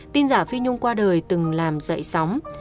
tin giả phi nhung qua đời từng làm dậy sóng